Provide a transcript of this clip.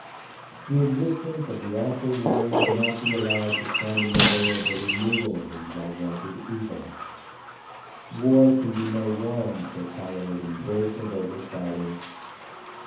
The existence of the awful war cannot be allowed to stand in the way of the removal of this gigantic evil. War can be no warrant for tolerating dirt and overcrowding.